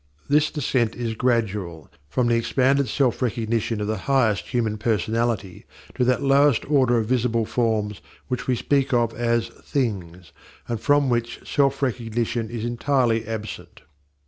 This descent is gradual from the expanded self recognition of the highest human personality to that lowest order of visible forms which we speak of as "things," and from which self recognition is entirely absent.